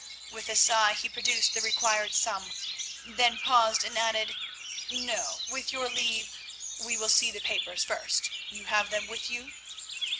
With a sigh he produced the required sum, then paused and added, "No; with your leave we will see the papers first. You have them with you?"